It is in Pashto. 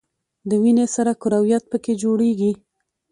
د وینې سره کرویات په ... کې جوړیږي.